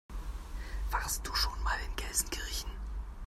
Warst du schon mal in Gelsenkirchen?